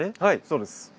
はいそうです。